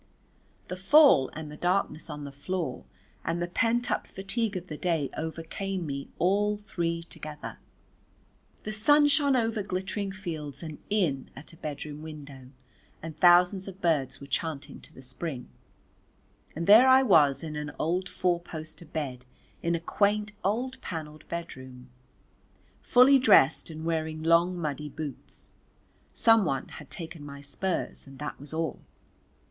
The fall, and the darkness on the floor and the pent up fatigue of the day overcame me all three together. The sun shone over glittering fields and in at a bedroom window and thousands of birds were chanting to the Spring, and there I was in an old four poster bed in a quaint old panelled bedroom, fully dressed and wearing long muddy boots; someone had taken my spurs and that was all.